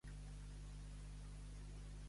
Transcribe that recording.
Fer venir basques.